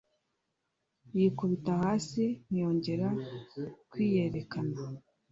yikubita hasi ntiyongera kwiyerekana